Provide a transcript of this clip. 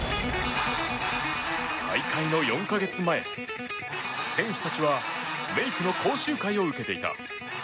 大会の４か月前、選手たちはメイクの講習会を受けていた。